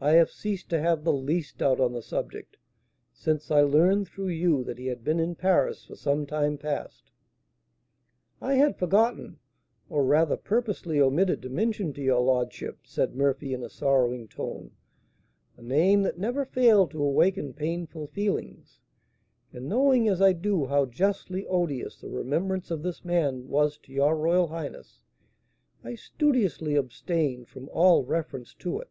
"I have ceased to have the least doubt on the subject, since I learned through you that he had been in Paris for some time past." "I had forgotten, or, rather, purposely omitted to mention to your lordship," said Murphy in a sorrowing tone, "a name that never failed to awaken painful feelings; and knowing as I do how justly odious the remembrance of this man was to your royal highness, I studiously abstained from all reference to it."